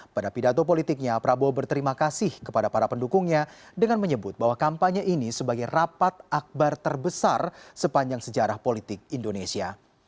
pada pidato politiknya prabowo berterima kasih kepada para pendukungnya dengan menyebut bahwa kampanye ini sebagai rapat akbar terbesar sepanjang sejarah politik indonesia